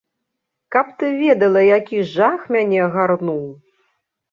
Каб ты ведала, які жах мяне агарнуў!